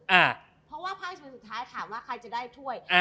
เพราะว่าภายชุดสุดท้ายถามว่าใครจะได้ถ้วย